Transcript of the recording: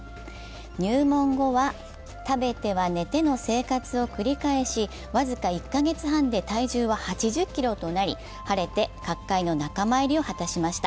入門後は食べては寝ての生活を繰り返し、僅か１カ月半で体重は８０ｋｇとなり、晴れて角界の仲間入りを果たしました。